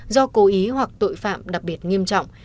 do cố ý hoặc tội phạm đặc biệt nghiêm trọng